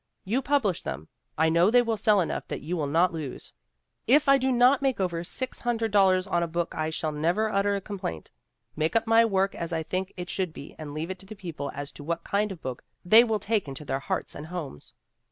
You publish them. I know they will sell enough that you will not lose. If I do not make over $600 on a book I shall never utter a complaint. Make up my work as I think it should be and leave it to the people as to what kind of book they will take into their hearts and homes."